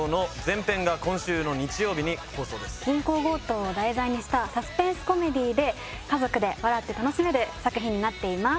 銀行強盗を題材にしたサスペンスコメディーで家族で笑って楽しめる作品になっています。